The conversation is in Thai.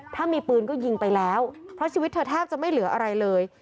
ถ้ามีปืนก็ยิงไปแล้วเพราะชีวิตเธอแทบจะไม่เหลืออะไรเลย